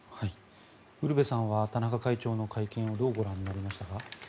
ウルヴェさんは田中会長の会見をどうご覧になりましたか？